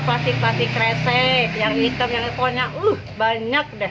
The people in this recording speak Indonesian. pasti keraset yang hitam yang banyak